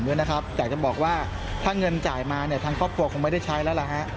แต่อยากจะบอกว่าถ้าเงินจ่ายมาทั้งครอบครัวคงไม่ได้ใช้แล้ว